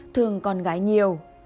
thương con gái nhiều